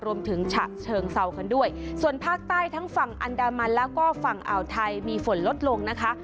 ฉะเชิงเซากันด้วยส่วนภาคใต้ทั้งฝั่งอันดามันแล้วก็ฝั่งอ่าวไทยมีฝนลดลงนะคะ